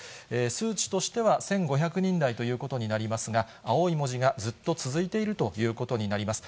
数値としては１５００人台ということになりますが、青い文字がずっと続いているということになります。